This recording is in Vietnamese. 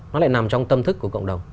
nó lại nằm trong tâm thức của cộng đồng